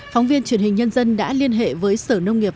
phóng viên truyền hình nhân dân đã liên hệ với sở nông nghiệp